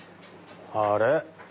あれ？